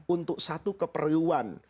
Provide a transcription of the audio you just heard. untuk satu keperluan